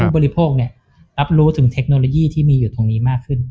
บริโภครับรู้ถึงเทคโนโลยีที่มีอยู่ตรงนี้มากขึ้น